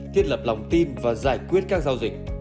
thiết lập lòng tin và giải quyết các giao dịch